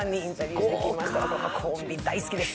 このコンビ大好きです。